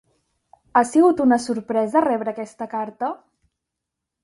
Ha sigut una sorpresa rebre aquesta carta?